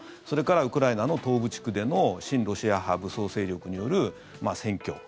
それからウクライナの東部地区での親ロシア派武装勢力による占拠。